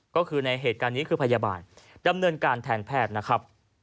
ก็คือในเหตุการณ์นี้คือพยาบาลดำเนินการแทนแพทย์นะครับ